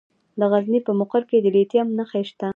د غزني په مقر کې د لیتیم نښې شته.